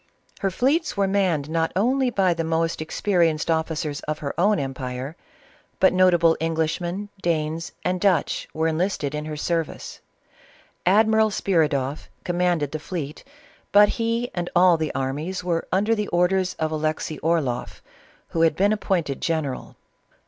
Her fleets were manned not only by the most experienced officers of her own empire, but notable Englishmen, Danes, and Dutch, were enlisted in her service. Admiral Spiridoff commanded the fleet, but he and all the armies were under the orders of Alexey Orloff, who had been ap pointed general.